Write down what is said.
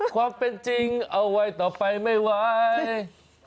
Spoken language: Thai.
ความเป็นจริงเอาไว้ต่อไปไม่ไหว